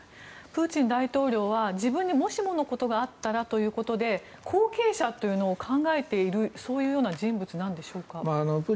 プーチン大統領は自分に、もしものことがあったらということで後継者というのを考えているそういう人物なんでしょうか？